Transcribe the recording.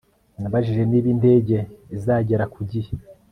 nabajije niba indege izagera ku gihe